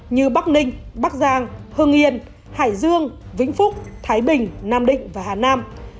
như bắc ninh bắc giang hương yên hải dương vĩnh phúc thái bình nam định và hà nam